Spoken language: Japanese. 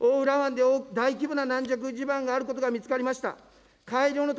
おおうら湾で大規模な軟弱地盤があることが見つかりました。